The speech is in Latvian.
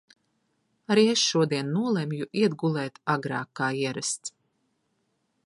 Arī es šodien nolemju iet gulēt agrāk kā ierasts.